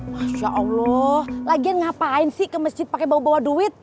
masya allah lagian ngapain sih ke masjid pakai bawa bawa duit